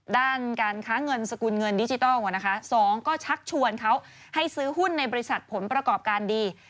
ด้านการค้าเงินสกุลเงินดิจิทัล๒ก็ชักชวนเขาให้ซื้อหุ้นในบริษัทผลประกอบการดี